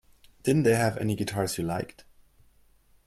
Didn't they have any guitars you liked?